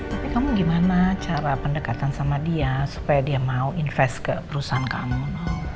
tapi kamu gimana cara pendekatan sama dia supaya dia mau invest ke perusahaan kamu